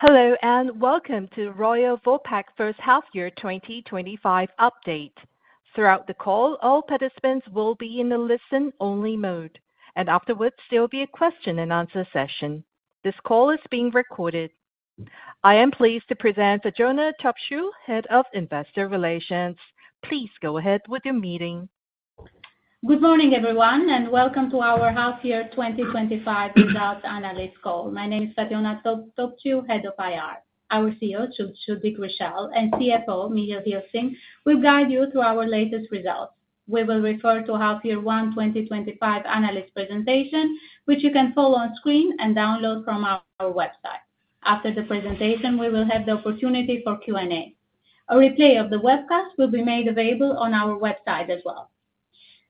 Hello, and welcome to Royal Vopak First Half Year 2025 update. Throughout the call, all participants will be in a listen-only mode, and afterwards, there will be a question and answer session. This call is being recorded. I am pleased to present Fatjona Topciu, Head of Investor Relations. Please go ahead with your meeting. Good morning, everyone, and welcome to our Half Year 2025 Results Analyst Call. My name is Fatjona Topciu, Head of IR. Our CEO, Dick Richelle, and CFO, Michiel Gilsing, will guide you through our latest results. We will refer to Half Year One 2025 Analyst Presentation, which you can follow on screen and download from our website. After the presentation, we will have the opportunity for Q&A. A replay of the webcast will be made available on our website as well.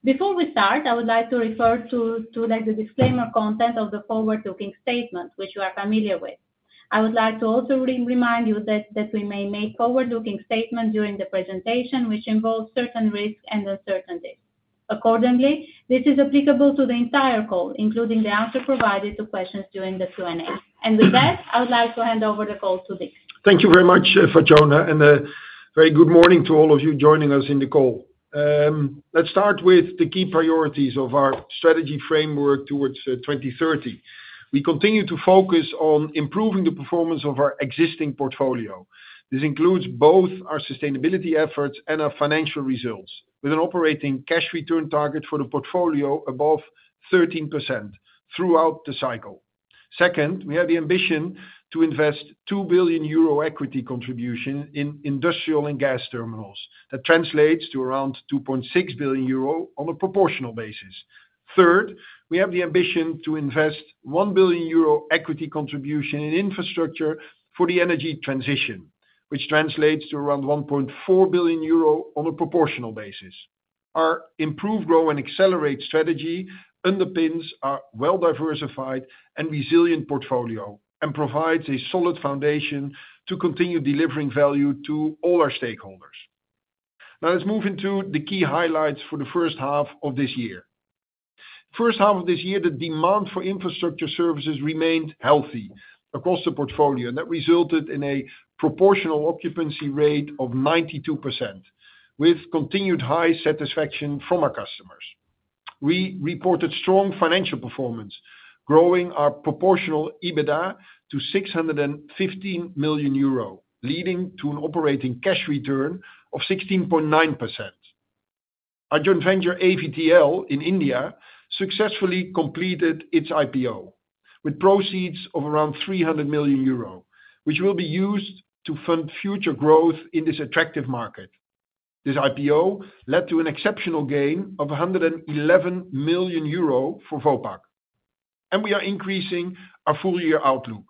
Before we start, I would like to refer to the disclaimer content of the forward-looking statement, which you are familiar with. I would like to also remind you that we may make forward-looking statements during the presentation, which involve certain risks and uncertainties. Accordingly, this is applicable to the entire call, including the answer provided to questions during the Q&A. With that, I would like to hand over the call to Dick. Thank you very much, Fatjona, and a very good morning to all of you joining us in the call. Let's start with the key priorities of our strategy framework towards 2030. We continue to focus on improving the performance of our existing portfolio. This includes both our sustainability efforts and our financial results, with an operating cash return target for the portfolio above 13% throughout the cycle. Second, we have the ambition to invest 2 billion euro equity contribution in industrial and gas terminals. That translates to around 2.6 billion euro on a proportional basis. Third, we have the ambition to invest 1 billion euro equity contribution in infrastructure for the energy transition, which translates to around 1.4 billion euro on a proportional basis. Our improve, grow, and accelerate strategy underpins a well-diversified and resilient portfolio and provides a solid foundation to continue delivering value to all our stakeholders. Now let's move into the key highlights for the first half of this year. The first half of this year, the demand for infrastructure services remained healthy across the portfolio, and that resulted in a proportional occupancy rate of 92%, with continued high satisfaction from our customers. We reported strong financial performance, growing our proportional EBITDA to 615 million euro, leading to an operating cash return of 16.9%. Our joint venture, AVTL, in India successfully completed its IPO with proceeds of around 300 million euro, which will be used to fund future growth in this attractive market. This IPO led to an exceptional gain of 111 million euro for Vopak, and we are increasing our full-year outlook.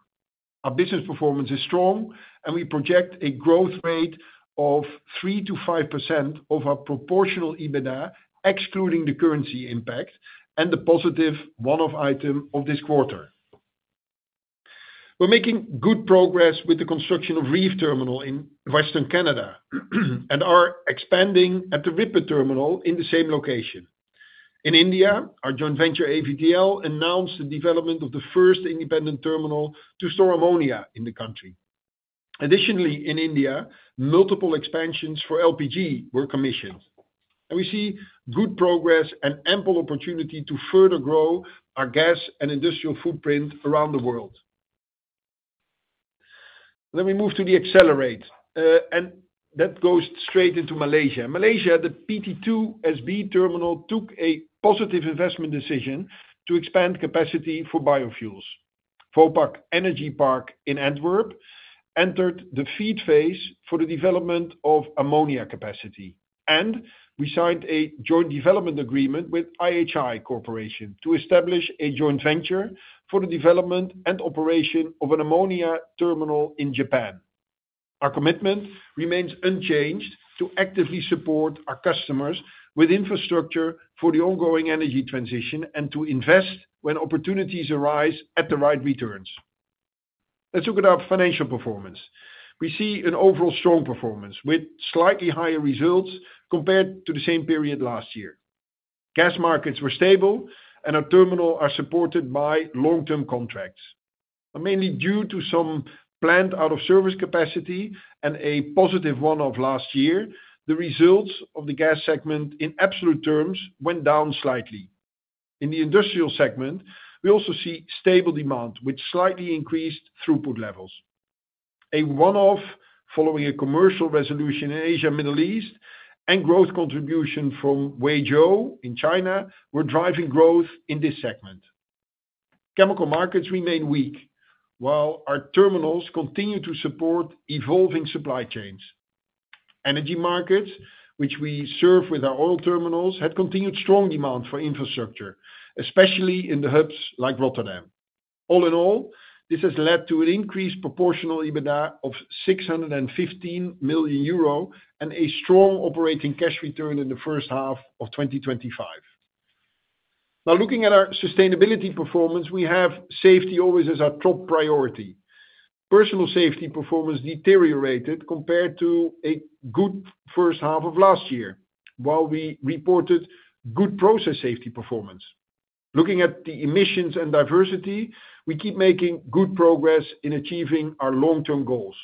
Our business performance is strong, and we project a growth rate of 3%-5% of our proportional EBITDA excluding the currency impact and the positive one-off item of this quarter. We're making good progress with the construction of Reef Terminal in Western Canada, and are expanding at the Ripper Terminal in the same location. In India, our joint venture, AVTL, announced the development of the first independent terminal to store ammonia in the country. Additionally, in India, multiple expansions for LPG were commissioned, and we see good progress and ample opportunity to further grow our gas and industrial footprint around the world. We move to the accelerate, and that goes straight into Malaysia. In Malaysia, the PT2 SB Terminal took a positive investment decision to expand capacity for biofuels. Vopak Energy Park Antwerp entered the feed phase for the development of ammonia capacity, and we signed a joint development agreement with IHI Corporation to establish a joint venture for the development and operation of an ammonia terminal in Japan. Our commitment remains unchanged to actively support our customers with infrastructure for the ongoing energy transition and to invest when opportunities arise at the right returns. Let's look at our financial performance. We see an overall strong performance with slightly higher results compared to the same period last year. Gas markets were stable, and our terminals are supported by long-term contracts. Mainly due to some planned out-of-service capacity and a positive one-off last year, the results of the gas segment in absolute terms went down slightly. In the industrial segment, we also see stable demand, which slightly increased throughput levels. A one-off following a commercial resolution in Asia and the Middle East and growth contribution from Weizhou in China were driving growth in this segment. Chemical markets remain weak, while our terminals continue to support evolving supply chains. Energy markets, which we serve with our oil terminals, had continued strong demand for infrastructure, especially in the hubs like Rotterdam. All in all, this has led to an increased proportional EBITDA of 615 million euro and a strong operating cash return in the first half of 2025. Now, looking at our sustainability performance, we have safety always as our top priority. Personal safety performance deteriorated compared to a good first half of last year, while we reported good process safety performance. Looking at the emissions and diversity, we keep making good progress in achieving our long-term goals.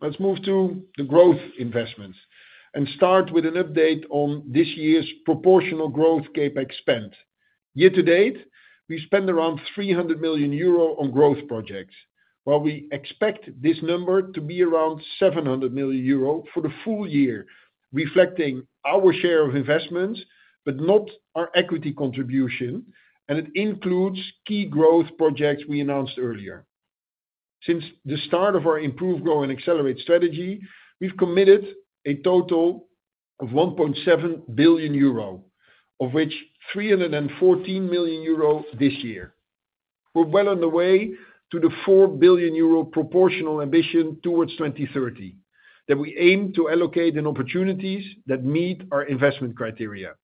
Let's move to the growth investments and start with an update on this year's proportional growth CapEx spend. Year-to-date, we spent around 300 million euro on growth projects, while we expect this number to be around 700 million euro for the full year, reflecting our share of investments but not our equity contribution, and it includes key growth projects we announced earlier. Since the start of our improve, grow, and accelerate strategy, we've committed a total of 1.7 billion euro, of which 314 million euro this year. We're well on the way to the 4 billion euro proportional ambition towards 2030 that we aim to allocate in opportunities that meet our investment criteria.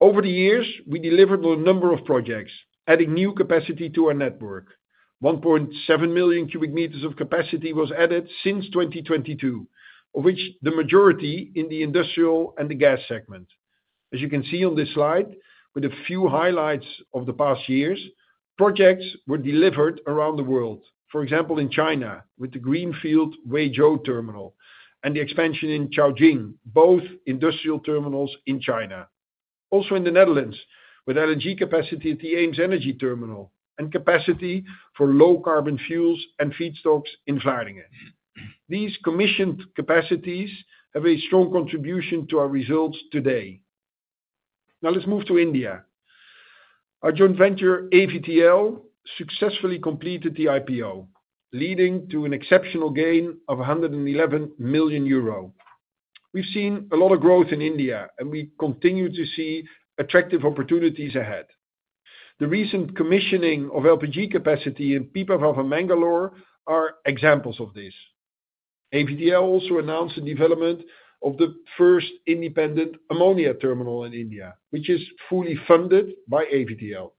Over the years, we delivered a number of projects, adding new capacity to our network. 1.7 million cubic meters of capacity was added since 2022, of which the majority in the industrial and the gas segment. As you can see on this slide, with a few highlights of the past years, projects were delivered around the world, for example, in China with the Greenfield Weizhou Terminal and the expansion in Chongqing, both industrial terminals in China. Also in the Netherlands, with LNG capacity at the Eems Energy Terminal and capacity for low carbon fuels and feedstocks in Vlaardingen. These commissioned capacities have a strong contribution to our results today. Now let's move to India. Our joint venture, AVTL, successfully completed the IPO, leading to an exceptional gain of 111 million euro. We've seen a lot of growth in India, and we continue to see attractive opportunities ahead. The recent commissioning of LPG capacity in Pipapavam and Mangalore are examples of this. AVTL also announced the development of the first independent ammonia terminal in India, which is fully funded by AVTL.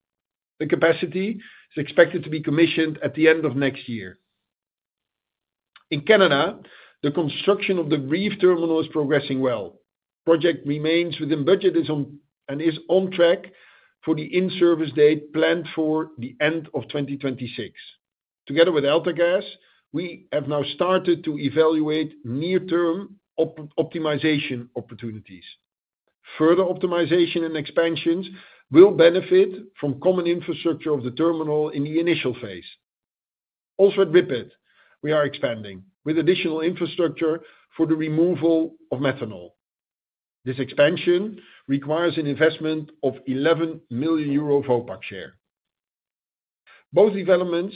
The capacity is expected to be commissioned at the end of next year. In Canada, the construction of the Reef Terminal is progressing well. The project remains within budget and is on track for the in-service date planned for the end of 2026. Together with AltaGas, we have now started to evaluate near-term optimization opportunities. Further optimization and expansions will benefit from common infrastructure of the terminal in the initial phase. Also at Ripper, we are expanding with additional infrastructure for the removal of methanol. This expansion requires an investment of 11 million euro Vopak share. Both developments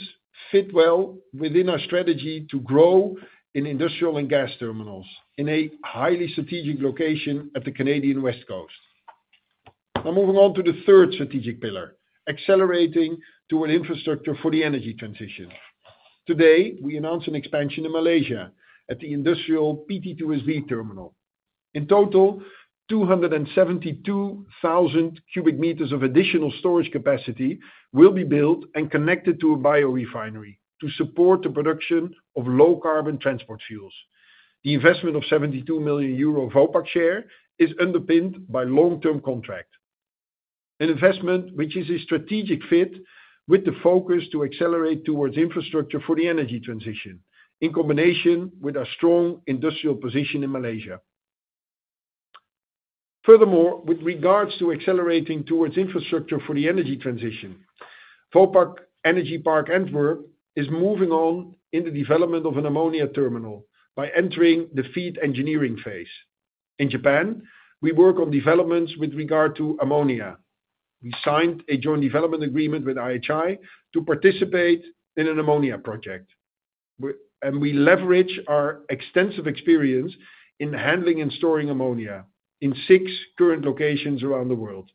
fit well within our strategy to grow in industrial and gas terminals in a highly strategic location at the Canadian West Coast. Now moving on to the third strategic pillar, accelerating toward infrastructure for the energy transition. Today, we announced an expansion in Malaysia at the industrial PT2 SB Terminal. In total, 272,000 cubic meters of additional storage capacity will be built and connected to a biorefinery to support the production of low carbon transport fuels. The investment of 72 million euro Vopak share is underpinned by a long-term contract. An investment which is a strategic fit with the focus to accelerate towards infrastructure for the energy transition, in combination with our strong industrial position in Malaysia. Furthermore, with regards to accelerating towards infrastructure for the energy transition, Vopak Energy Park Antwerp is moving on in the development of an ammonia terminal by entering the feed engineering phase. In Japan, we work on developments with regard to ammonia. We signed a joint development agreement with IHI Corporation to participate in an ammonia project, and we leverage our extensive experience in handling and storing ammonia in six current locations around the world.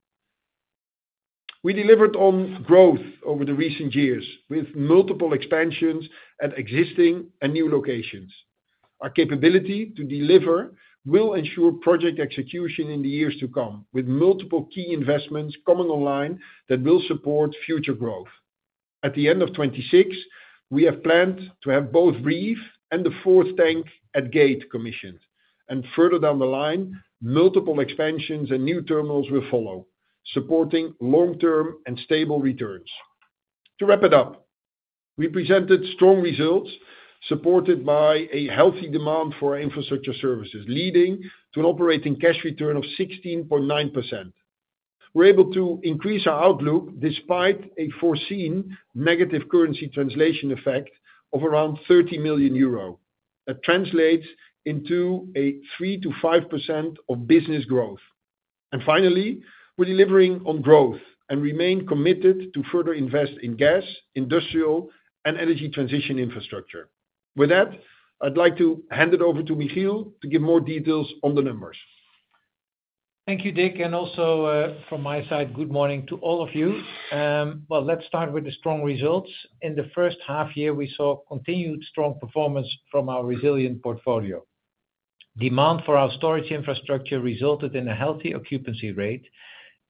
We delivered on growth over the recent years with multiple expansions at existing and new locations. Our capability to deliver will ensure project execution in the years to come, with multiple key investments coming online that will support future growth. At the end of 2026, we have planned to have both Reef Terminal and the fourth tank at Gate commissioned, and further down the line, multiple expansions and new terminals will follow, supporting long-term and stable returns. To wrap it up, we presented strong results supported by a healthy demand for our infrastructure services, leading to an operating cash return of 16.9%. We're able to increase our outlook despite a foreseen negative currency translation effect of around 30 million euro, that translates into a 3%-5% of business growth. Finally, we're delivering on growth and remain committed to further invest in gas, industrial, and energy transition infrastructure. With that, I'd like to hand it over to Michiel to give more details on the numbers. Thank you, Dick, and also from my side, good morning to all of you. Let's start with the strong results. In the first half year, we saw continued strong performance from our resilient portfolio. Demand for our storage infrastructure resulted in a healthy occupancy rate,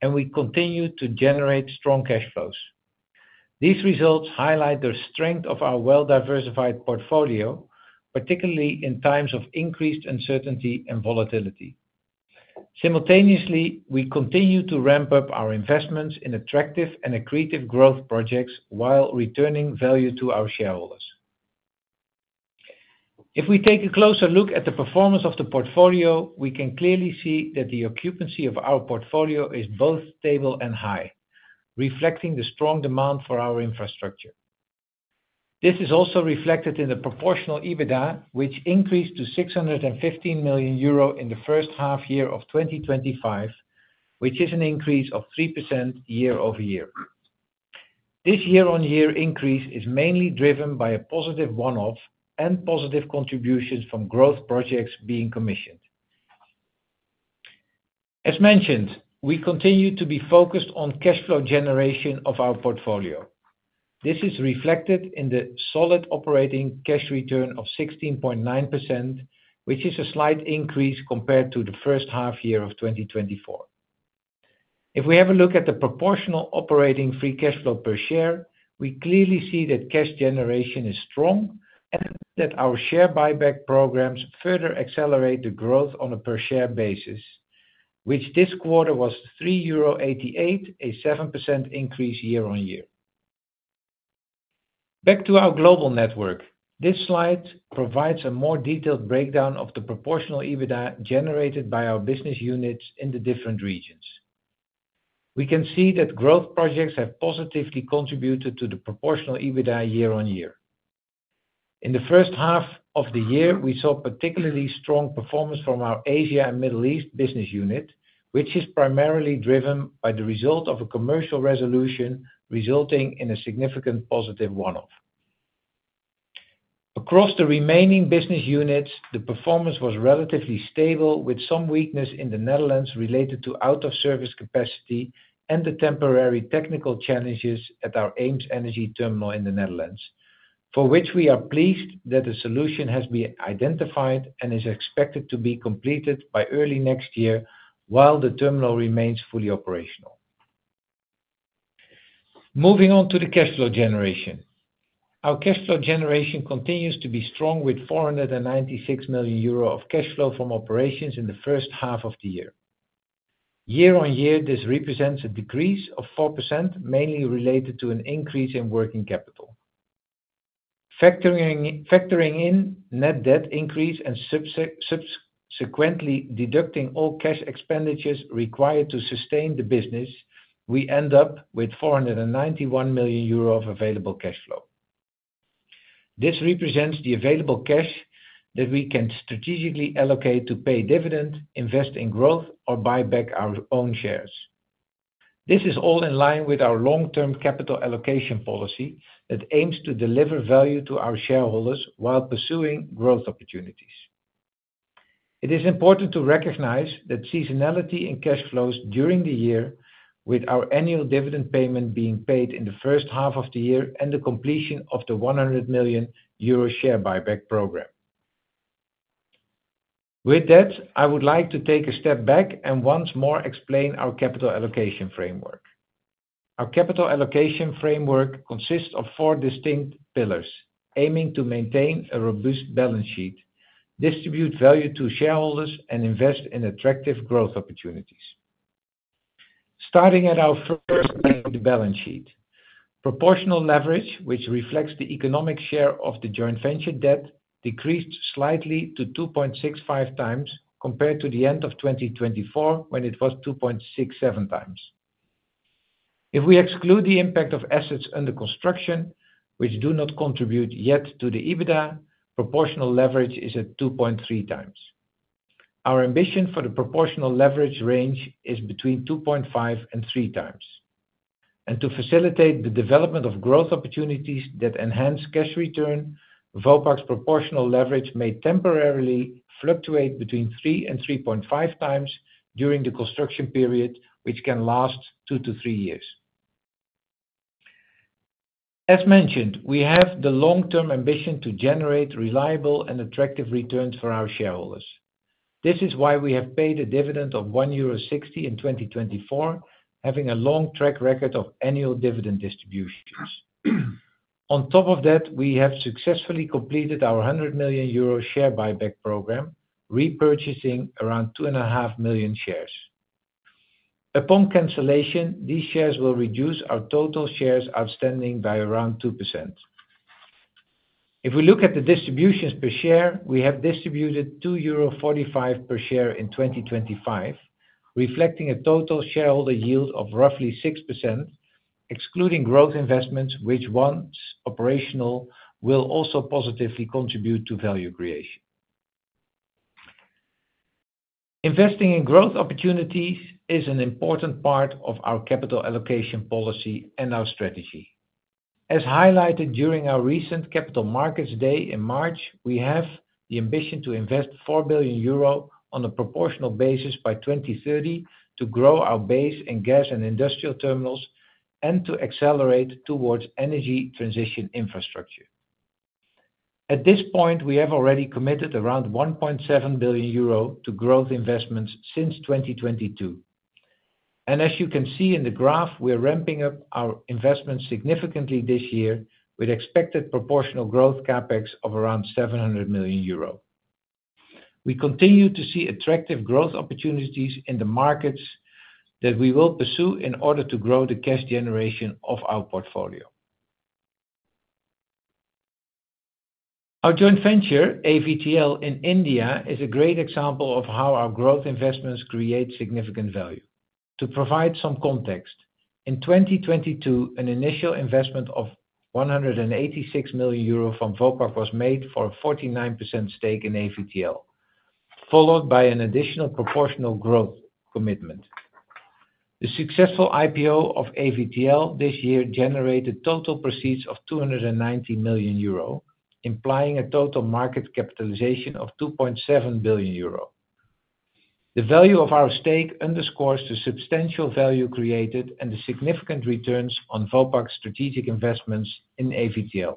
and we continued to generate strong cash flows. These results highlight the strength of our well-diversified portfolio, particularly in times of increased uncertainty and volatility. Simultaneously, we continue to ramp up our investments in attractive and accretive growth projects while returning value to our shareholders. If we take a closer look at the performance of the portfolio, we can clearly see that the occupancy of our portfolio is both stable and high, reflecting the strong demand for our infrastructure. This is also reflected in the proportional EBITDA, which increased to 615 million euro in the first half year of 2025, which is an increase of 3% year-over-year. This year-on-year increase is mainly driven by a positive one-off and positive contributions from growth projects being commissioned. As mentioned, we continue to be focused on cash flow generation of our portfolio. This is reflected in the solid operating cash return of 16.9%, which is a slight increase compared to the first half year of 2024. If we have a look at the proportional operating free cash flow per share, we clearly see that cash generation is strong and that our share buyback programs further accelerate the growth on a per share basis, which this quarter was 3.88 euro, a 7% increase year-on-year. Back to our global network, this slide provides a more detailed breakdown of the proportional EBITDA generated by our business units in the different regions. We can see that growth projects have positively contributed to the proportional EBITDA year-on-year. In the first half of the year, we saw particularly strong performance from our Asia and Middle East business unit, which is primarily driven by the result of a commercial resolution resulting in a significant positive one-off. Across the remaining business units, the performance was relatively stable, with some weakness in the Netherlands related to out-of-service capacity and the temporary technical challenges at our Eems Energy Terminal in the Netherlands, for which we are pleased that a solution has been identified and is expected to be completed by early next year while the terminal remains fully operational. Moving on to the cash flow generation, our cash flow generation continues to be strong with 496 million euro of cash flow from operations in the first half of the year. Year-on-year, this represents a decrease of 4%, mainly related to an increase in working capital. Factoring in net debt increase and subsequently deducting all cash expenditures required to sustain the business, we end up with 491 million euro of available cash flow. This represents the available cash that we can strategically allocate to pay dividends, invest in growth, or buy back our own shares. This is all in line with our long-term capital allocation policy that aims to deliver value to our shareholders while pursuing growth opportunities. It is important to recognize that seasonality in cash flows during the year, with our annual dividend payment being paid in the first half of the year and the completion of the 100 million euro share buyback program. With that, I would like to take a step back and once more explain our capital allocation framework. Our capital allocation framework consists of four distinct pillars, aiming to maintain a robust balance sheet, distribute value to shareholders, and invest in attractive growth opportunities. Starting at our first, the balance sheet, proportional leverage, which reflects the economic share of the joint venture debt, decreased slightly to 2.65x compared to the end of 2024, when it was 2.67x. If we exclude the impact of assets under construction, which do not contribute yet to the EBITDA, proportional leverage is at 2.3x. Our ambition for the proportional leverage range is between 2.5x and 3x. To facilitate the development of growth opportunities that enhance cash return, Vopak's proportional leverage may temporarily fluctuate between 3x and 3.5x during the construction period, which can last two to three years. As mentioned, we have the long-term ambition to generate reliable and attractive returns for our shareholders. This is why we have paid a dividend of 1.60 euro in 2024, having a long track record of annual dividend distributions. On top of that, we have successfully completed our 100 million euro share buyback program, repurchasing around 2.5 million shares. Upon cancellation, these shares will reduce our total shares outstanding by around 2%. If we look at the distributions per share, we have distributed 2.45 euro per share in 2025, reflecting a total shareholder yield of roughly 6%, excluding growth investments, which once operational will also positively contribute to value creation. Investing in growth opportunities is an important part of our capital allocation policy and our strategy. As highlighted during our recent Capital Markets Day in March, we have the ambition to invest 4 billion euro on a proportional basis by 2030 to grow our base and gas and industrial terminals and to accelerate towards energy transition infrastructure. At this point, we have already committed around 1.7 billion euro to growth investments since 2022. As you can see in the graph, we're ramping up our investments significantly this year with expected proportional growth CapEx of around 700 million euro. We continue to see attractive growth opportunities in the markets that we will pursue in order to grow the cash generation of our portfolio. Our joint venture, AVTL in India, is a great example of how our growth investments create significant value. To provide some context, in 2022, an initial investment of 186 million euro from Vopak was made for a 49% stake in AVTL, followed by an additional proportional growth commitment. The successful IPO of AVTL this year generated total proceeds of 290 million euro, implying a total market capitalization of 2.7 billion euro. The value of our stake underscores the substantial value created and the significant returns on Vopak's strategic investments in AVTL.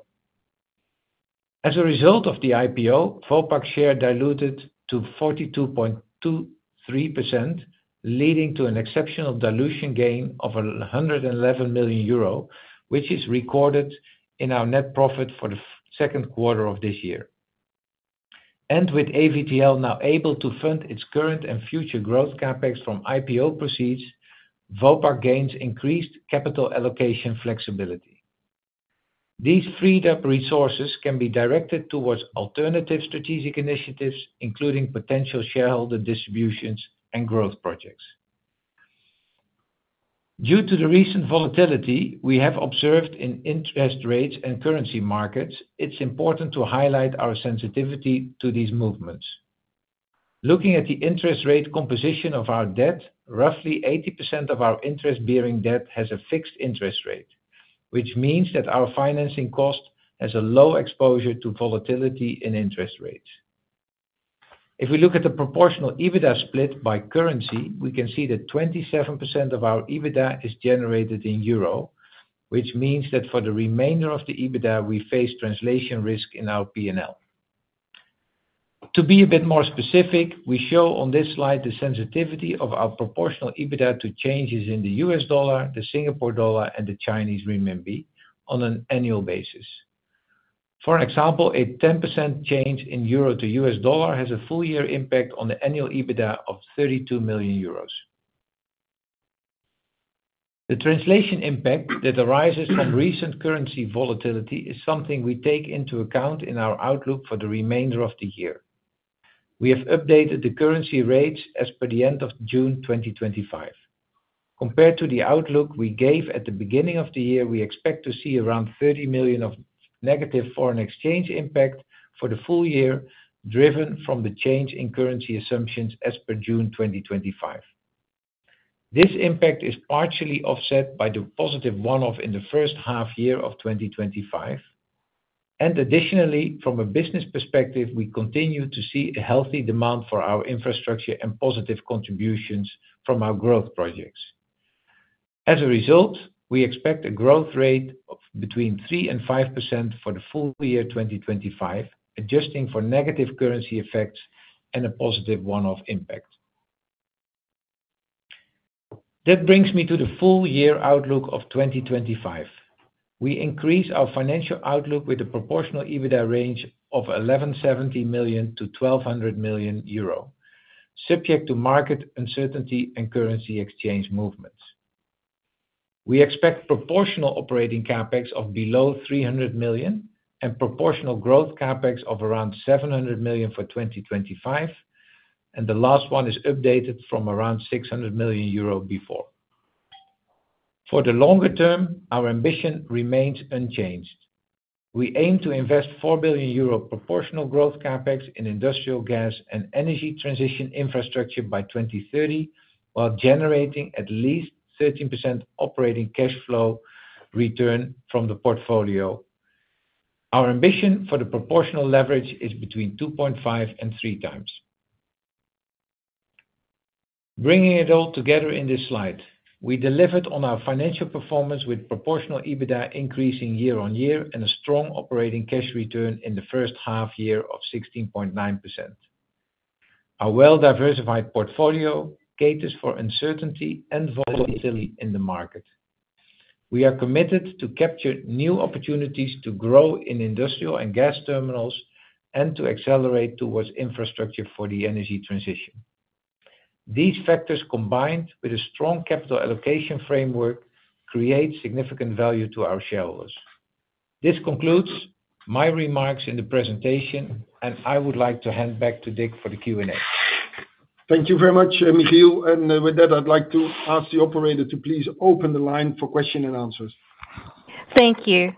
As a result of the IPO, Vopak's share diluted to 42.23%, leading to an exceptional dilution gain of 111 million euro, which is recorded in our net profit for the second quarter of this year. With AVTL now able to fund its current and future growth CapEx from IPO proceeds, Vopak gains increased capital allocation flexibility. These freed up resources can be directed towards alternative strategic initiatives, including potential shareholder distributions and growth projects. Due to the recent volatility we have observed in interest rates and currency markets, it's important to highlight our sensitivity to these movements. Looking at the interest rate composition of our debt, roughly 80% of our interest-bearing debt has a fixed interest rate, which means that our financing cost has a low exposure to volatility in interest rates. If we look at the proportional EBITDA split by currency, we can see that 27% of our EBITDA is generated in euro, which means that for the remainder of the EBITDA, we face translation risk in our P&L. To be a bit more specific, we show on this slide the sensitivity of our proportional EBITDA to changes in the U.S. dollar, the Singapore dollar, and the Chinese renminbi on an annual basis. For example, a 10% change in euro to U.S. dollar has a full-year impact on the annual EBITDA of 32 million euros. The translation impact that arises from recent currency volatility is something we take into account in our outlook for the remainder of the year. We have updated the currency rates as per the end of June 2025. Compared to the outlook we gave at the beginning of the year, we expect to see around 30 million of negative foreign exchange impact for the full year, driven from the change in currency assumptions as per June 2025. This impact is partially offset by the positive one-off in the first half year of 2025. Additionally, from a business perspective, we continue to see a healthy demand for our infrastructure and positive contributions from our growth projects. As a result, we expect a growth rate of between 3% and 5% for the full year 2025, adjusting for negative currency effects and a positive one-off impact. That brings me to the full year outlook of 2025. We increase our financial outlook with a proportional EBITDA range of 1,170 million-1,200 million euro, subject to market uncertainty and currency exchange movements. We expect proportional operating CapEx of below 300 million and proportional growth CapEx of around 700 million for 2025, and the last one is updated from around 600 million euro before. For the longer term, our ambition remains unchanged. We aim to invest 4 billion euro proportional growth CapEx in industrial gas and energy transition infrastructure by 2030, while generating at least 13% operating cash flow return from the portfolio. Our ambition for the proportional leverage is between 2.5 and 3 times. Bringing it all together in this slide, we delivered on our financial performance with proportional EBITDA increasing year-on-year and a strong operating cash return in the first half year of 16.9%. Our well-diversified portfolio caters for uncertainty and volatility in the market. We are committed to capture new opportunities to grow in industrial and gas terminals and to accelerate towards infrastructure for the energy transition. These factors, combined with a strong capital allocation framework, create significant value to our shareholders. This concludes my remarks in the presentation, and I would like to hand back to Dick for the Q&A. Thank you very much, Michiel. With that, I'd like to ask the operator to please open the line for question and answers. Thank you.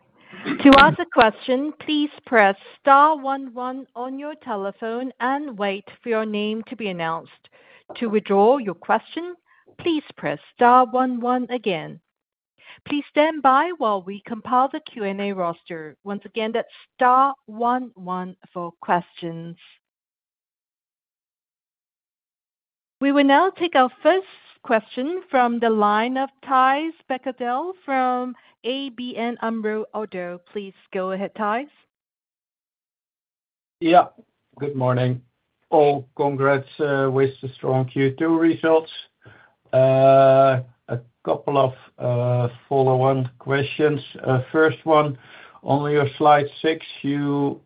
To ask a question, please press star one one on your telephone and wait for your name to be announced. To withdraw your question, please press star one one again. Please stand by while we compile the Q&A roster. Once again, that's star one one for questions. We will now take our first question from the line of Thijs Berkelder from ABN AMRO ODDO. Please go ahead, Thijs. Yeah, good morning. Congrats with the strong Q2 results. A couple of follow-on questions. First one, on your slide six, you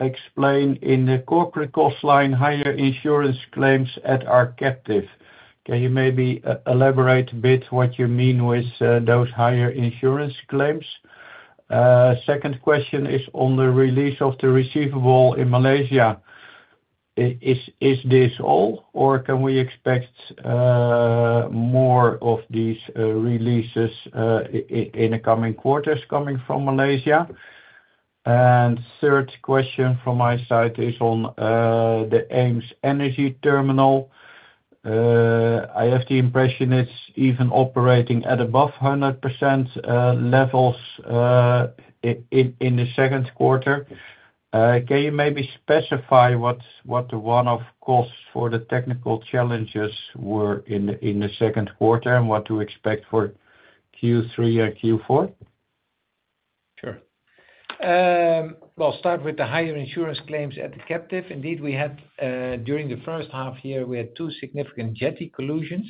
explain in the corporate cost line higher insurance claims at our captive. Can you maybe elaborate a bit what you mean with those higher insurance claims? Second question is on the release of the receivable in Malaysia. Is this all, or can we expect more of these releases in the coming quarters coming from Malaysia? Third question from my side is on the Aems Energy Terminal. I have the impression it's even operating at above 100% levels in the second quarter. Can you maybe specify what the one-off costs for the technical challenges were in the second quarter and what to expect for Q3 and Q4? Sure. I'll start with the higher insurance claims at the captive. Indeed, we had during the first half year, two significant jetty collisions,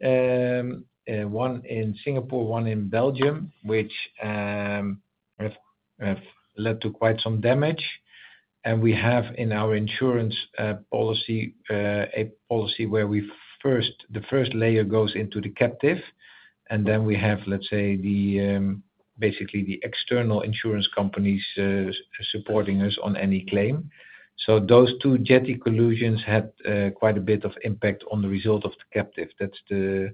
one in Singapore, one in Belgium, which have led to quite some damage. We have in our insurance policy a policy where the first layer goes into the captive, and then we have basically the external insurance companies supporting us on any claim. Those two jetty collisions had quite a bit of impact on the result of the captive. That's the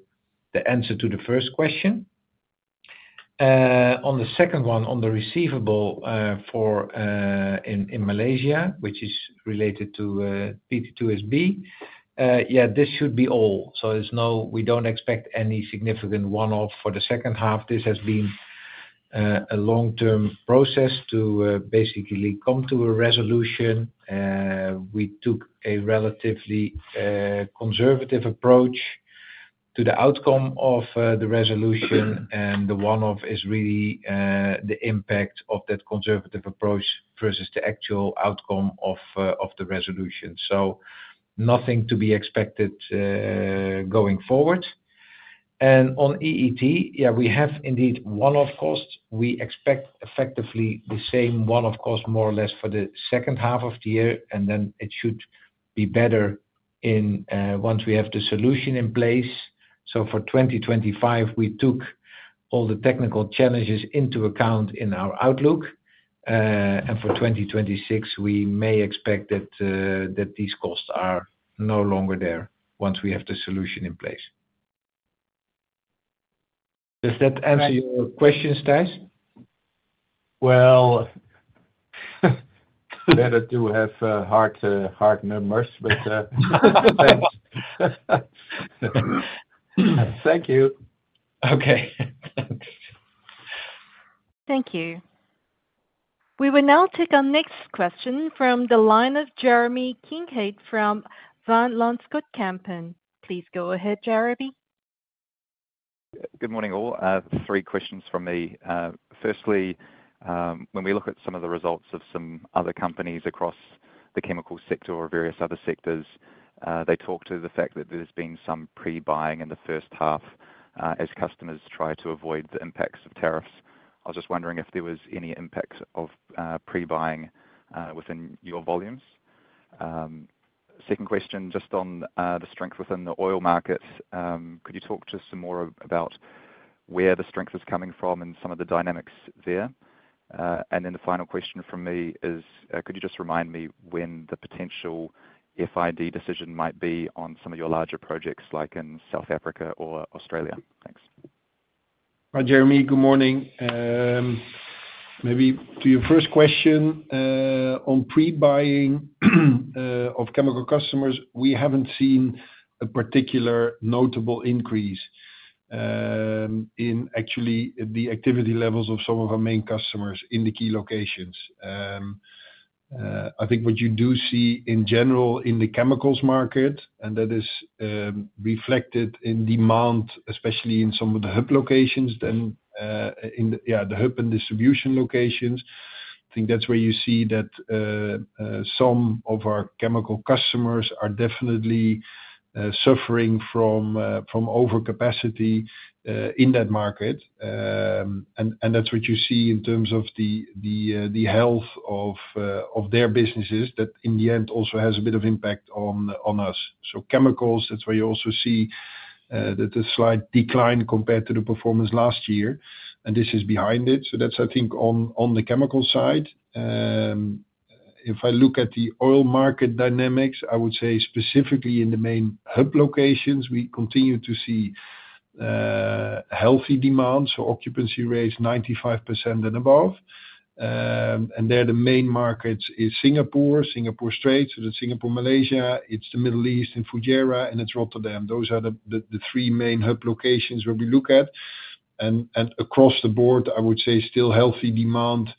answer to the first question. On the second one, on the receivable for in Malaysia, which is related to PT2 SB, this should be all. We don't expect any significant one-off for the second half. This has been a long-term process to basically come to a resolution. We took a relatively conservative approach to the outcome of the resolution, and the one-off is really the impact of that conservative approach versus the actual outcome of the resolution. Nothing to be expected going forward. On EET, we have indeed one-off costs. We expect effectively the same one-off costs more or less for the second half of the year, and it should be better once we have the solution in place. For 2025, we took all the technical challenges into account in our outlook, and for 2026, we may expect that these costs are no longer there once we have the solution in place. Does that answer your questions, Thijs? Better to have hard numbers, but thanks. Thank you. Okay. Thanks. Thank you. We will now take our next question from the line of Jeremy Kincaid from Van Lanschot Kempen. Please go ahead, Jeremy. Good morning all. I have three questions from me. Firstly, when we look at some of the results of some other companies across the chemical sector or various other sectors, they talk to the fact that there's been some pre-buying in the first half as customers try to avoid the impacts of tariffs. I was just wondering if there was any impact of pre-buying within your volumes. Second question, just on the strength within the oil market, could you talk to us some more about where the strength is coming from and some of the dynamics there? The final question from me is, could you just remind me when the potential FID decision might be on some of your larger projects, like in South Africa or Australia? Thanks. Jeremy, good morning. Maybe to your first question on pre-buying of chemical customers, we haven't seen a particular notable increase in actually the activity levels of some of our main customers in the key locations. I think what you do see in general in the chemicals market, and that is reflected in demand, especially in some of the hub locations and in the hub and distribution locations, is that some of our chemical customers are definitely suffering from overcapacity in that market. That's what you see in terms of the health of their businesses that in the end also has a bit of impact on us. Chemicals, that's where you also see the slight decline compared to the performance last year, and this is behind it. That's, I think, on the chemical side. If I look at the oil market dynamics, I would say specifically in the main hub locations, we continue to see healthy demand. Occupancy rates are 95% and above. The main markets are Singapore, Singapore Strait, so that's Singapore, Malaysia. It's the Middle East in Fujairah, and it's Rotterdam. Those are the three main hub locations where we look at. Across the board, I would say still healthy demand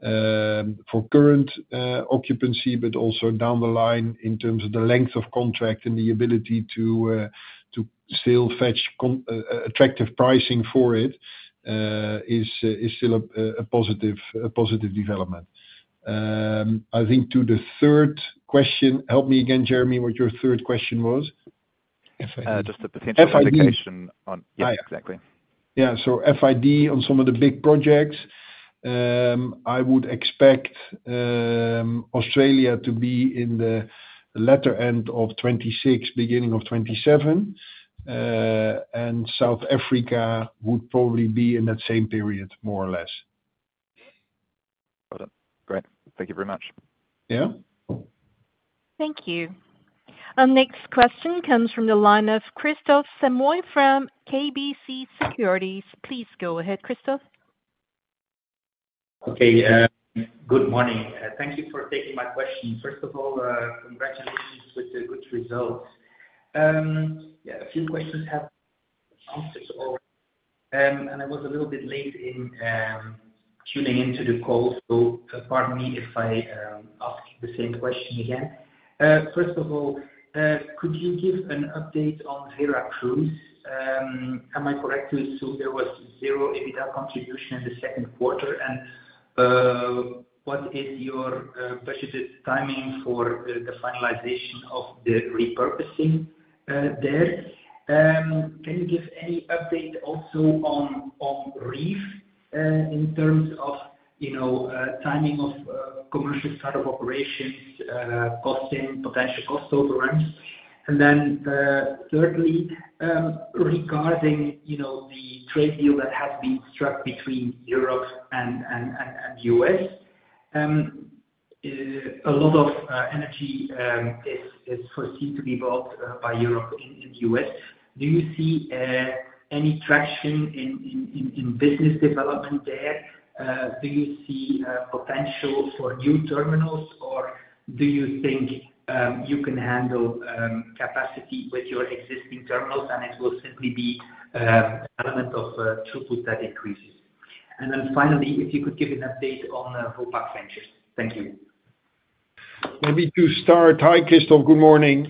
for current occupancy, but also down the line in terms of the length of contract and the ability to still fetch attractive pricing for it is still a positive development. I think to the third question, help me again, Jeremy, what your third question was? Just the potential FID question on, yeah, exactly. FID on some of the big projects, I would expect Australia to be in the latter end of 2026, beginning of 2027, and South Africa would probably be in that same period more or less. Got it. Great. Thank you very much. Yeah. Thank you. Our next question comes from the line of Kristof Samoy from KBC Securities. Please go ahead, Kristof. Okay. Good morning. Thank you for taking my question. First of all, congratulations with the good results. A few questions have been answered, and I was a little bit late in tuning into the call, so pardon me if I ask the same question again. First of all, could you give an update on Vera Cruz? Am I correct to assume there was zero EBITDA contribution in the second quarter? What is your budgeted timing for the finalization of the repurposing there? Can you give any update also on Reef in terms of timing of commercial startup operations, costing, potential cost overruns? Thirdly, regarding the trade deal that has been struck between Europe and the U.S., a lot of energy is foreseen to be bought by Europe in the U.S. Do you see any traction in business development there? Do you see potential for new terminals, or do you think you can handle capacity with your existing terminals and it will simply be an element of throughput that increases? Finally, if you could give an update on Vopak Ventures. Thank you. Maybe to start, hi, Christophe. Good morning.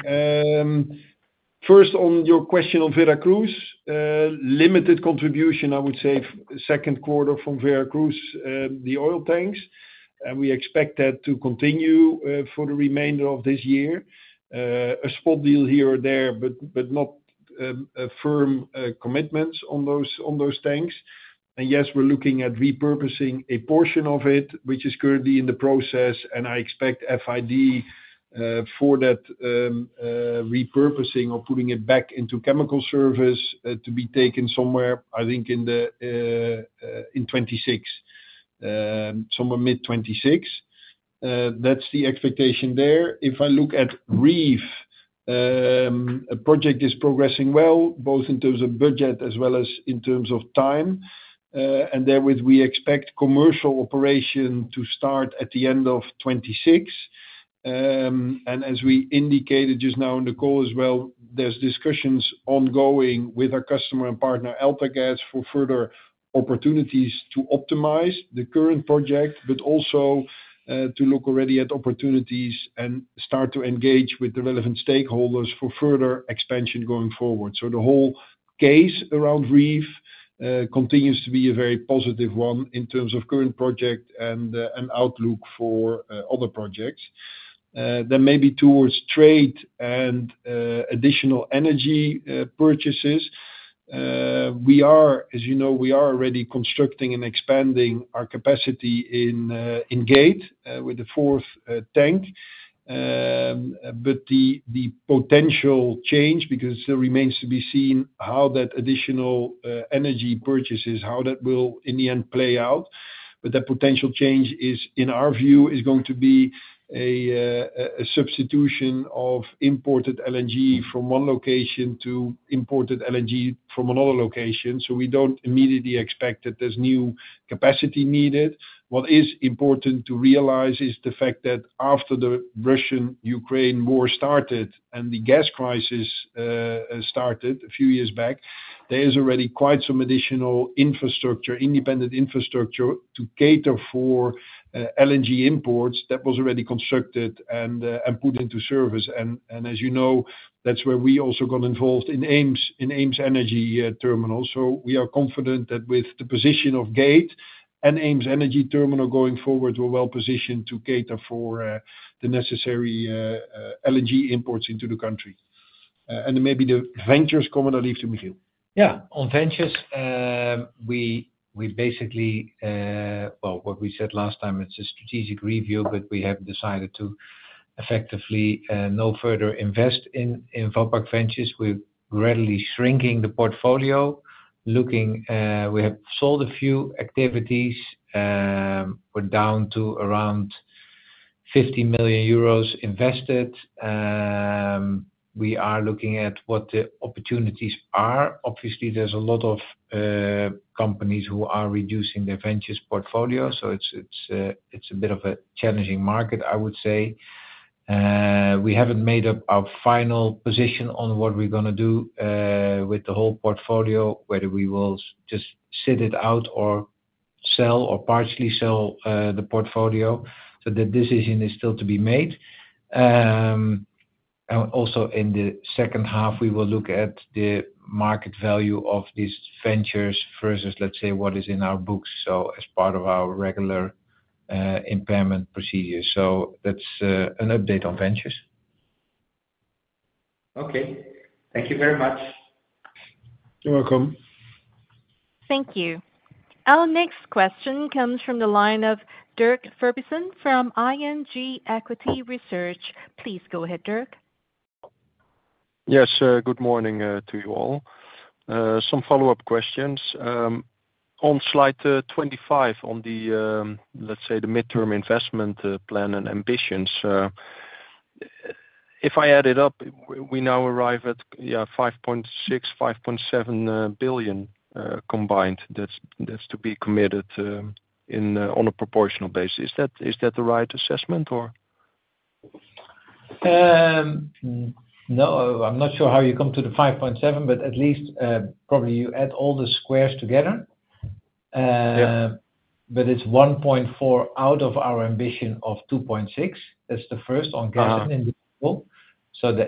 First, on your question on Vera Cruz, limited contribution, I would say, second quarter from Vera Cruz, the oil tanks, and we expect that to continue for the remainder of this year. A spot deal here or there, but not a firm commitment on those tanks. Yes, we're looking at repurposing a portion of it, which is currently in the process, and I expect FID for that repurposing or putting it back into chemical service to be taken somewhere, I think, in 2026, somewhere mid-2026. That's the expectation there. If I look at Reef, a project is progressing well, both in terms of budget as well as in terms of time. We expect commercial operation to start at the end of 2026. As we indicated just now in the call as well, there's discussions ongoing with our customer and partner AltaGas for further opportunities to optimize the current project, but also to look already at opportunities and start to engage with the relevant stakeholders for further expansion going forward. The whole case around Reef continues to be a very positive one in terms of current project and outlook for other projects. Maybe towards trade and additional energy purchases. We are, as you know, already constructing and expanding our capacity in Gate with the fourth tank. The potential change, because it still remains to be seen how that additional energy purchases, how that will in the end play out. That potential change is, in our view, going to be a substitution of imported LNG from one location to imported LNG from another location. We don't immediately expect that there's new capacity needed. What is important to realize is the fact that after the Russian-Ukraine war started and the gas crisis started a few years back, there is already quite some additional infrastructure, independent infrastructure to cater for LNG imports that was already constructed and put into service. As you know, that's where we also got involved in Aems Energy Terminal. We are confident that with the position of Gate and Aems Energy Terminal going forward, we're well positioned to cater for the necessary LNG imports into the country. Maybe the ventures comment, I'll leave to Michiel. Yeah. On ventures, we basically, what we said last time, it's a strategic review, but we have decided to effectively no further invest in Vopak Ventures. We're gradually shrinking the portfolio. We have sold a few activities. We're down to around 50 million euros invested. We are looking at what the opportunities are. Obviously, there's a lot of companies who are reducing their ventures portfolio. It's a bit of a challenging market, I would say. We haven't made up our final position on what we're going to do with the whole portfolio, whether we will just sit it out or sell or partially sell the portfolio. That decision is still to be made. Also, in the second half, we will look at the market value of these ventures versus, let's say, what is in our books as part of our regular impairment procedures. That's an update on ventures. Okay. Thank you very much. You're welcome. Thank you. Our next question comes from the line of Dirk Verbiesen from ING Equity Research. Please go ahead, Dirk. Yes. Good morning to you all. Some follow-up questions. On slide 25, on the, let's say, the midterm investment plan and ambitions, if I add it up, we now arrive at, yeah, 5.6 billion, 5.7 billion combined. That's to be committed on a proportional basis. Is that the right assessment, or? No, I'm not sure how you come to the 5.7 billion, but at least probably you add all the squares together. It's 1.4 out of our ambition of 2.6. That's the first on gas and in the fuel. The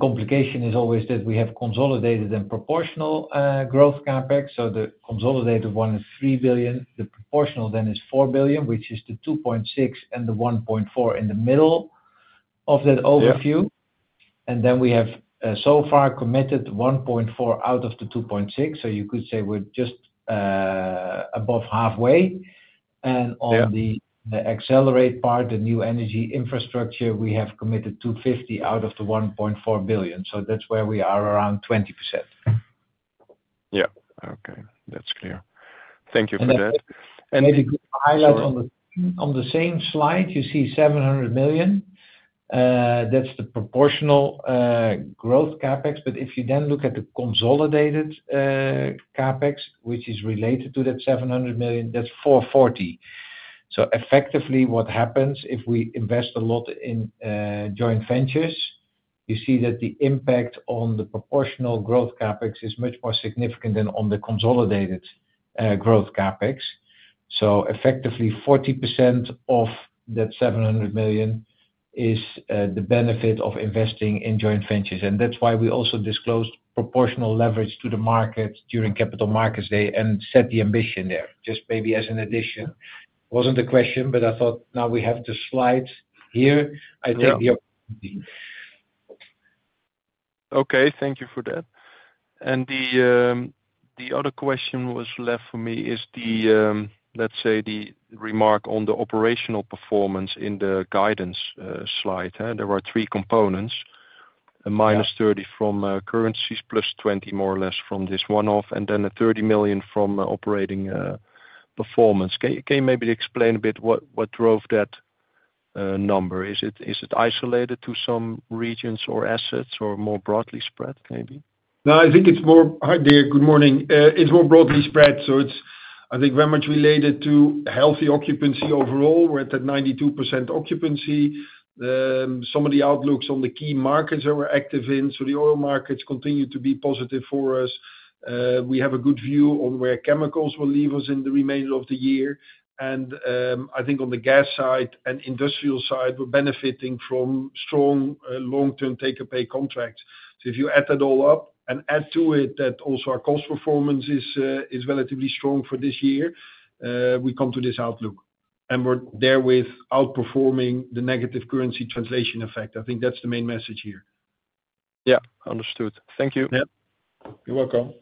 complication is always that we have consolidated and proportional growth CapEx. The consolidated one is 3 billion. The proportional then is 4 billion, which is the 2.6 and the 1.4 in the middle of that overview. We have so far committed 1.4 out of the 2.6. You could say we're just above halfway. On the accelerate part, the new energy infrastructure, we have committed 250 million out of the 1.4 billion. That's where we are around 20%. Yeah, okay. That's clear. Thank you for that. Maybe a good highlight on the same slide, you see 700 million. That's the proportional growth CapEx. If you then look at the consolidated CapEx, which is related to that 700 million, that's 440 million. Effectively, what happens if we invest a lot in joint ventures, you see that the impact on the proportional growth CapEx is much more significant than on the consolidated growth CapEx. Effectively, 40% of that 700 million is the benefit of investing in joint ventures. That's why we also disclosed proportional leverage to the market during Capital Markets Day and set the ambition there. Just maybe as an addition. Wasn't the question, but I thought now we have the slides here. I take the opportunity. Okay. Thank you for that. The other question was left for me is the, let's say, the remark on the operational performance in the guidance slide. There were three components, a minus 30 million from currencies, plus 20 million more or less from this one-off, and then a 30 million from operating performance. Can you maybe explain a bit what drove that number? Is it isolated to some regions or assets or more broadly spread, maybe? No, I think it's more, hi there, good morning. It's more broadly spread. I think it's very much related to healthy occupancy overall. We're at that 92% occupancy. Some of the outlooks on the key markets that we're active in. The oil markets continue to be positive for us. We have a good view on where chemicals will leave us in the remainder of the year. I think on the gas side and industrial side, we're benefiting from strong long-term taker pay contracts. If you add that all up and add to it that also our cost performance is relatively strong for this year, we come to this outlook. We're therewith outperforming the negative currency translation effect. I think that's the main message here. Yeah, understood. Thank you. Yeah, you're welcome.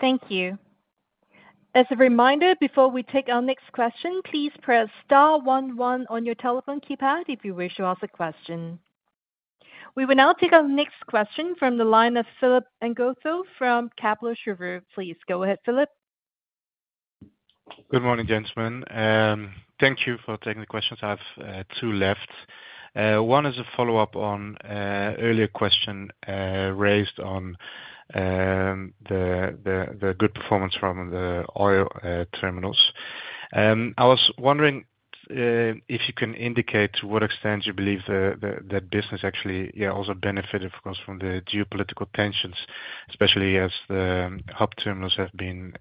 Thank you. As a reminder, before we take our next question, please press *11 on your telephone keypad if you wish to ask a question. We will now take our next question from the line of Philip Ngotho from Kepler Cheuvreux. Please go ahead, Philip. Good morning, gentlemen. Thank you for taking the questions. I have two left. One is a follow-up on an earlier question raised on the good performance from the oil terminals. I was wondering if you can indicate to what extent you believe that business actually also benefited from the geopolitical tensions, especially as the hub terminals have been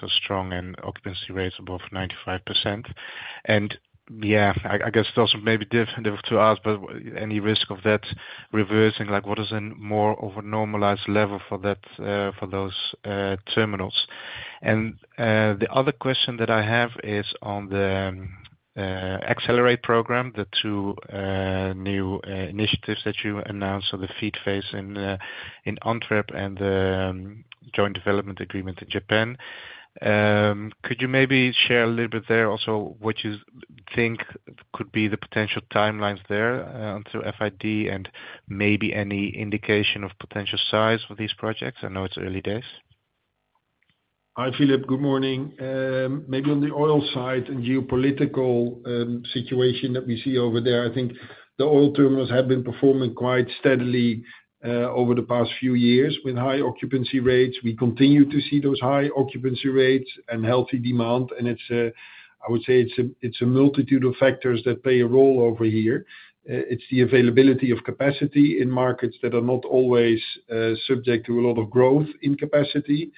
so strong and occupancy rates above 95%. I guess it's also maybe different to ask, but any risk of that reversing? What is a more of a normalized level for those terminals? The other question that I have is on the accelerate program, the two new initiatives that you announced of the feed phase in Antwerp and the joint development agreement in Japan. Could you maybe share a little bit there also what you think could be the potential timelines there onto FID and maybe any indication of potential size for these projects? I know it's early days. Hi, Philip. Good morning. Maybe on the oil side and geopolitical situation that we see over there, I think the oil terminals have been performing quite steadily over the past few years with high occupancy rates. We continue to see those high occupancy rates and healthy demand. I would say it's a multitude of factors that play a role over here. It's the availability of capacity in markets that are not always subject to a lot of growth in capacity.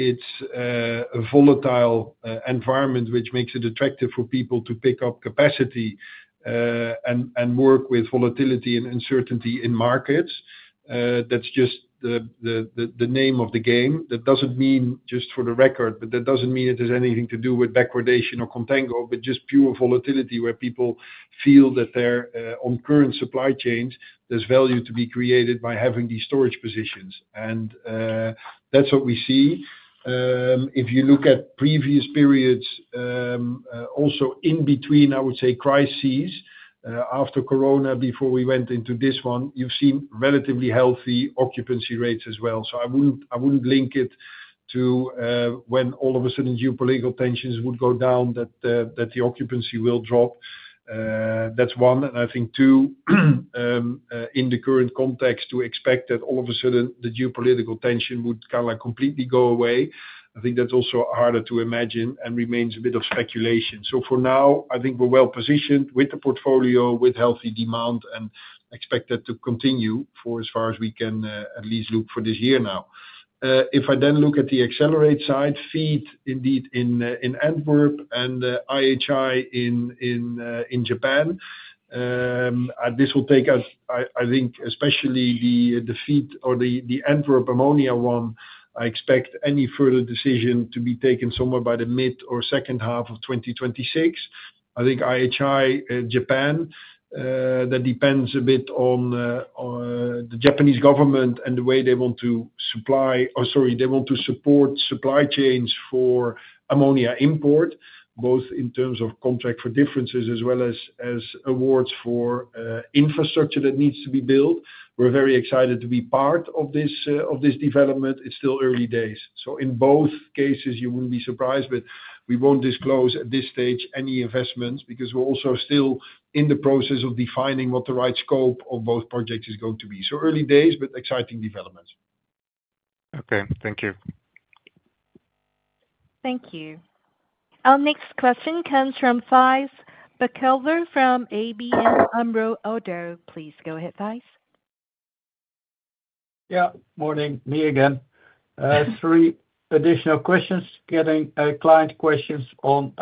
It's a volatile environment, which makes it attractive for people to pick up capacity and work with volatility and uncertainty in markets. That's just the name of the game. That doesn't mean, just for the record, that it has anything to do with backwardation or contango, but just pure volatility where people feel that they're on current supply chains, there's value to be created by having these storage positions. That's what we see. If you look at previous periods, also in between, I would say, crises, after corona, before we went into this one, you've seen relatively healthy occupancy rates as well. I wouldn't link it to when all of a sudden geopolitical tensions would go down that the occupancy will drop. That's one. I think two, in the current context, to expect that all of a sudden the geopolitical tension would kind of completely go away, I think that's also harder to imagine and remains a bit of speculation. For now, I think we're well positioned with the portfolio, with healthy demand, and expect that to continue for as far as we can at least look for this year now. If I then look at the accelerate side, feed indeed in Antwerp and IHI in Japan, this will take us, I think, especially the feed or the Antwerp ammonia one, I expect any further decision to be taken somewhere by the mid or second half of 2026. I think IHI Japan, that depends a bit on the Japanese government and the way they want to supply, or sorry, they want to support supply chains for ammonia import, both in terms of contract for differences as well as awards for infrastructure that needs to be built. We're very excited to be part of this development. It's still early days. In both cases, you wouldn't be surprised, but we won't disclose at this stage any investments because we're also still in the process of defining what the right scope of both projects is going to be. Early days, but exciting developments. Okay. Thank you. Thank you. Our next question comes from Thijs Berkelder from ABN AMRO ODDO. Please go ahead, Thijs. Morning. Me again. Three additional questions, getting client questions on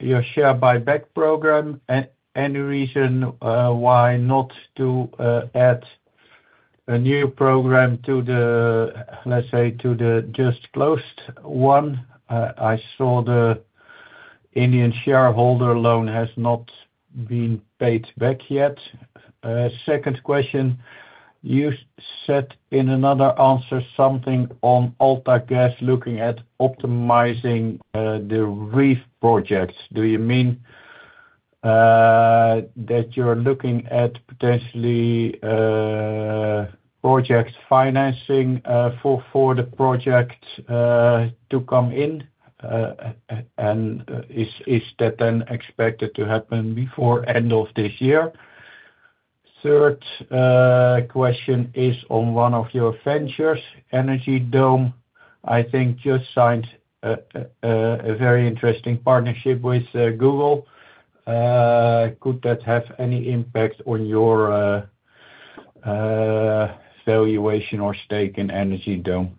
your share buyback program and any reason why not to add a new program to the, let's say, to the just closed one. I saw the Indian shareholder loan has not been paid back yet. Second question, you said in another answer something on AltaGas looking at optimizing the Reef projects. Do you mean that you're looking at potentially project financing for the project to come in? Is that then expected to happen before the end of this year? Third question is on one of your ventures, Energy Dome. I think just signed a very interesting partnership with Google. Could that have any impact on your valuation or stake in Energy Dome?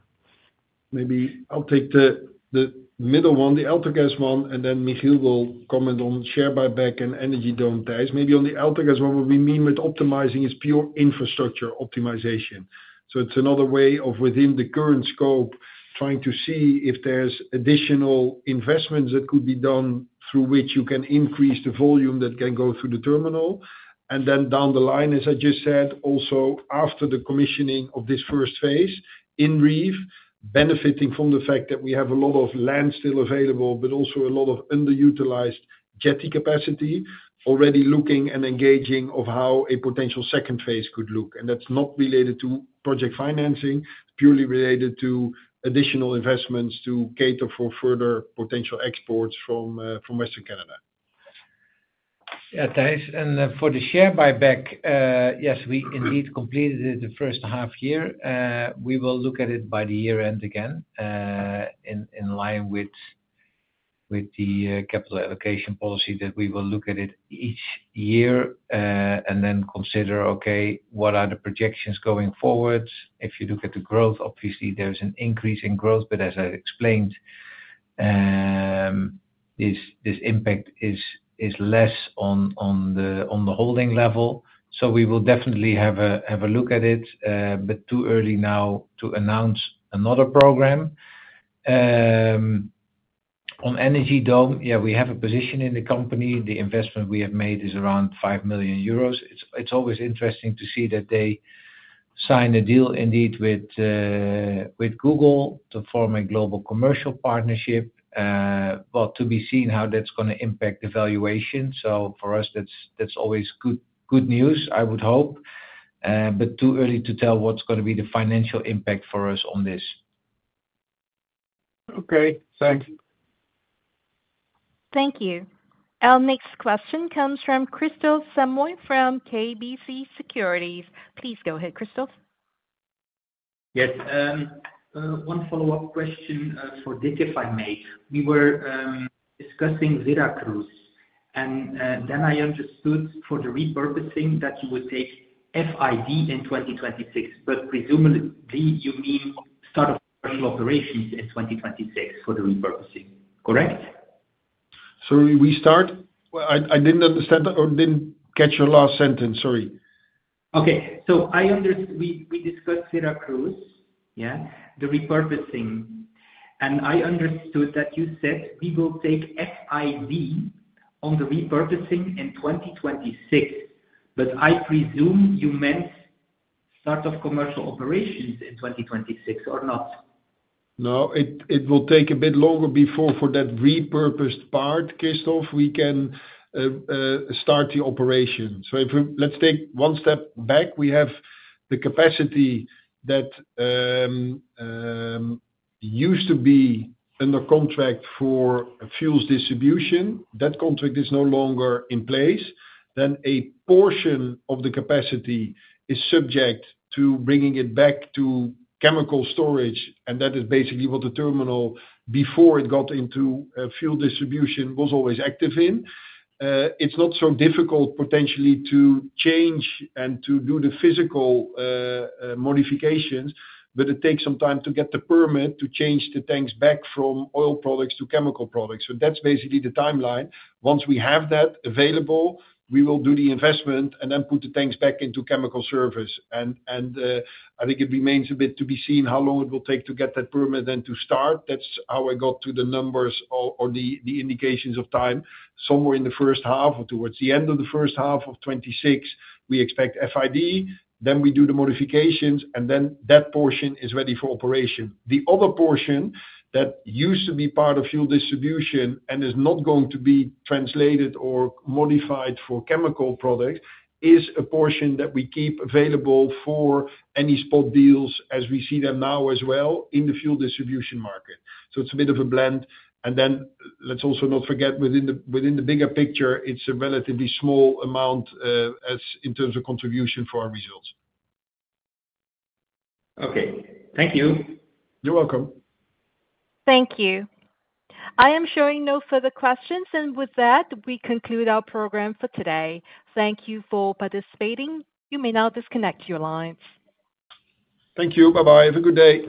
Maybe I'll take the middle one, the AltaGas one, and then Michiel will comment on share buyback and Energy Dome ties. On the AltaGas one, what we mean with optimizing is pure infrastructure optimization. It's another way of, within the current scope, trying to see if there's additional investments that could be done through which you can increase the volume that can go through the terminal. Down the line, as I just said, also after the commissioning of this first phase in Reef, benefiting from the fact that we have a lot of land still available, but also a lot of underutilized jetty capacity, already looking and engaging on how a potential second phase could look. That's not related to project financing, purely related to additional investments to cater for further potential exports from Western Canada. Yeah, Thijs. For the share buyback, yes, we indeed completed it the first half year. We will look at it by the year end again in line with the capital allocation policy that we will look at each year and then consider, okay, what are the projections going forward? If you look at the growth, obviously, there's an increase in growth, but as I explained, this impact is less on the holding level. We will definitely have a look at it, but it's too early now to announce another program. On Energy Dome, we have a position in the company. The investment we have made is around 5 million euros. It's always interesting to see that they sign a deal with Google to form a global commercial partnership. It remains to be seen how that's going to impact the valuation. For us, that's always good news, I would hope. It's too early to tell what's going to be the financial impact for us on this. Okay. Thanks. Thank you. Our next question comes from Kristof Samoy from KBC Securities. Please go ahead, Kristof. Yes. One follow-up question for Dick, if I may. We were discussing Vera Cruz, and then I understood for the repurposing that you would take FID in 2026, but presumably, you mean startup commercial operations in 2026 for the repurposing, correct? Can we restart? I didn't understand or didn't catch your last sentence. Sorry. Okay. I understood we discussed Vera Cruz, the repurposing. I understood that you said we will take FID on the repurposing in 2026, but I presume you meant startup commercial operations in 2026 or not? No, it will take a bit longer before for that repurposed part, Christophe, we can start the operation. If let's take one step back, we have the capacity that used to be under contract for fuel distribution. That contract is no longer in place. A portion of the capacity is subject to bringing it back to chemical storage, and that is basically what the terminal before it got into fuel distribution was always active in. It's not so difficult potentially to change and to do the physical modifications, but it takes some time to get the permit to change the tanks back from oil products to chemical products. That's basically the timeline. Once we have that available, we will do the investment and then put the tanks back into chemical service. I think it remains a bit to be seen how long it will take to get that permit and to start. That's how I got to the numbers or the indications of time. Somewhere in the first half or towards the end of the first half of 2026, we expect FID. We do the modifications, and then that portion is ready for operation. The other portion that used to be part of fuel distribution and is not going to be translated or modified for chemical products is a portion that we keep available for any spot deals as we see them now as well in the fuel distribution market. It's a bit of a blend. Let's also not forget, within the bigger picture, it's a relatively small amount in terms of contribution for our results. Okay. Thank you. You're welcome. Thank you. I am showing no further questions. With that, we conclude our program for today. Thank you for participating. You may now disconnect your lines. Thank you. Bye-bye. Have a good day.